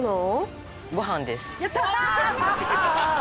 やったー！